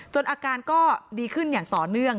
อาการก็ดีขึ้นอย่างต่อเนื่อง